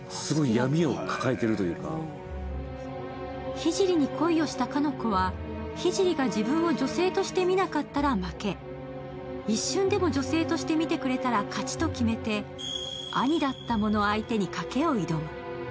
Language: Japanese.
聖に恋をした鹿ノ子は、聖が自分を女性として見なかったら負け、一瞬でも女性として見てくれたら勝ちと決めて、兄だったモノ相手に賭けを挑む。